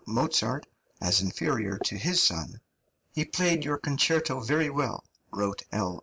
Mozart as inferior to his son. "He played your concerto very well," wrote L.